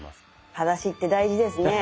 はだしって大事ですね。